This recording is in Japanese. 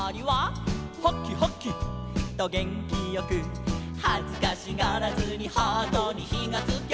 「ハキハキ！とげんきよく」「はずかしがらずにハートにひがつきゃ」